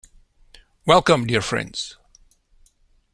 Welcome, dear friends.